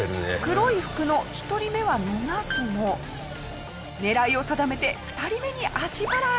黒い服の１人目は逃すも狙いを定めて２人目に足払い。